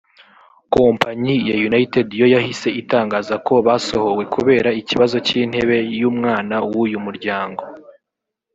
Kompanyi ya United yo yahise itangaza ko basohowe kubera ikibazo cy’intebe y’umwana w’uyu muryango